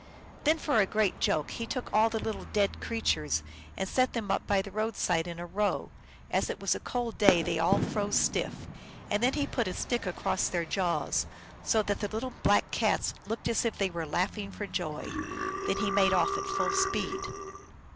Then, for a great joke, he took all the little dead creatures and set them up by the road side in a row ; as it was a cold day they all froze stiff, and then he put a stick across their jaws, so that the little Black Cats looked as if they were laughing for joy. Then he made off at full speed.